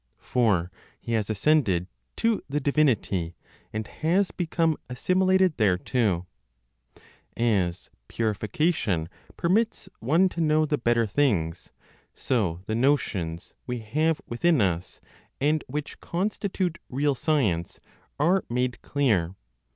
For he has ascended to the divinity, and has become assimilated thereto. As purification permits one to know the better things, so the notions we have within us, and which constitute real science, are made clear.